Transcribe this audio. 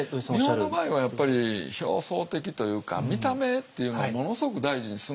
日本の場合はやっぱり表層的というか見た目っていうのをものすごく大事にするんですね。